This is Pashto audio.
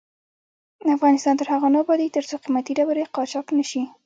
افغانستان تر هغو نه ابادیږي، ترڅو قیمتي ډبرې قاچاق نشي.